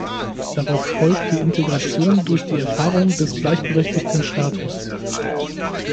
Darauf folgt die Integration durch die Erfahrung des gleichberechtigten Status.